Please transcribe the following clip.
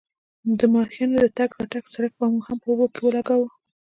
د ماهیانو د تګ راتګ څرک مو هم په اوبو کې ولګاوه.